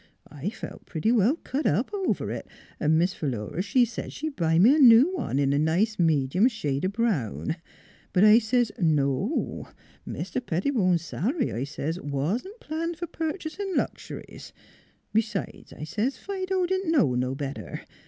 I felt pretty well cut up over it. 'N' Philura, she said she'd buy me a new one in a nice mejum shade o' brown. But I says 'No; Mr. Pettibone's sal'ry,' I says, ' wa'n't planned for purchasin' lux'ries; 'n' b'sides,' I says, 'Fido didn't know no better.'